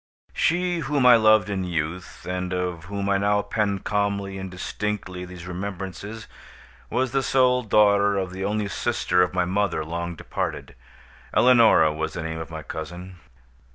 She whom I loved in youth, and of whom I now pen calmly and distinctly these remembrances, was the sole daughter of the only sister of my mother long departed. Eleonora was the name of my cousin.